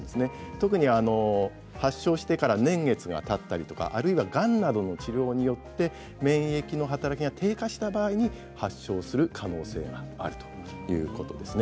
特に発症してから年月が立ったりがんなどの治療によって免疫の働きが低下した場合は発症する可能性があるということです。